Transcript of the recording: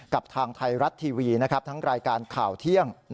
กับทางไทยรัฐทีวีทั้งรายการข่าวเที่ยง